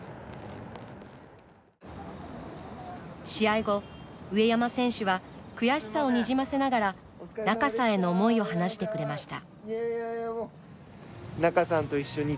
試合後、上山選手は悔しさをにじませながら仲さんへの思いを話してくれました。